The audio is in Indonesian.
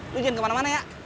lo jangan kemana mana ya